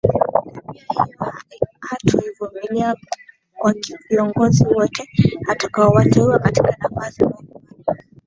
Tabia hiyo hatoivumilia kwa viongozi wote atakaowateua katika nafasi mbali mbali